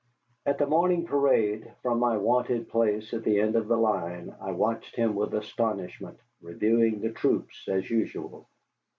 At the morning parade, from my wonted place at the end of the line, I watched him with astonishment, reviewing the troops as usual.